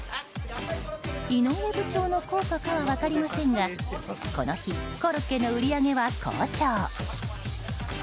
井上部長の効果かは分かりませんがこの日コロッケの売り上げは好調。